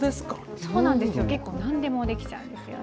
そうなんですよ、結構何でもできちゃうんですよね。